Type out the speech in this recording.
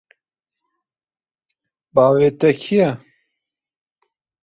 Bavê te kî ye?